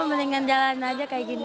mendingan jalan aja kayak gini